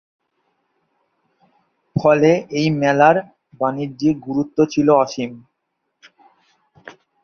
ফলে এই মেলার বাণিজ্যিক গুরুত্ব ছিল অসীম।